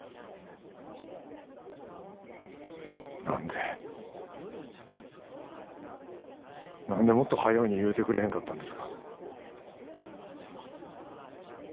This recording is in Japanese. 何で何でもっと早うに言うてくれへんかったんですか。